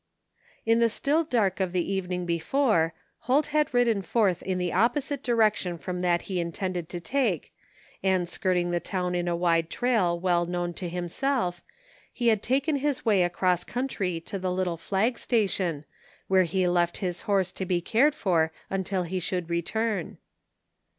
In the still dark of the evening before, Holt had ridden forth in the opposite direction from that he in tended to take, and skirting the town in a wide trail well known to himself, he had taken his ymy across country to the little flag station, where he left his horse to be cared for until he should return.